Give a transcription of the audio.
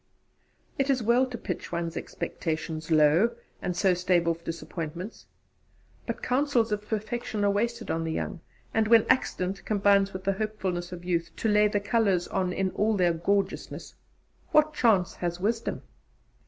It is well to pitch one's expectations low, and so stave off disappointments. But counsels of perfection are wasted on the young, and when accident combines with the hopefulness of youth to lay the colours on in all their gorgeousness, what chance has Wisdom?